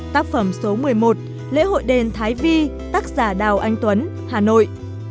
tác phẩm số một mươi một lễ hội đền thái vi tác giả đào anh tuấn hà nội